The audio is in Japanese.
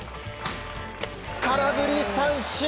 空振り三振。